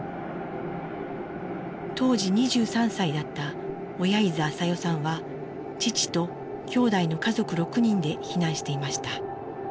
当時２３歳だった小柳津アサヨさんは父ときょうだいの家族６人で避難していました。